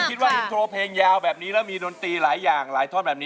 ในน้ำเปล่าแบบนี้แล้วมีดนตรีหลาย